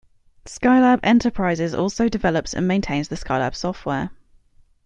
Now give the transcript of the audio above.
Scilab Enterprises also develops and maintains the Scilab software.